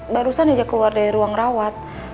barusan aja keluar dari ruang rawat